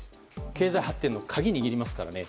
経済発展の鍵を握りますからね。